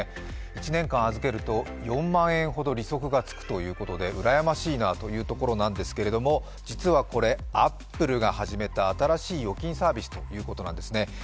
１年間預けると４万円ほど利息がつくということで、うらやましいなところなんですけど、実はこれ、アップルが始めた新しい預金サービスということなんですね。